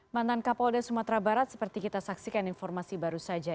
mantan kapolda sumatera barat seperti kita saksikan informasi baru saja